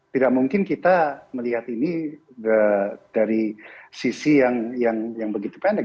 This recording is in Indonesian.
tidak mungkin kita melihat ini dari sisi yang begitu pendek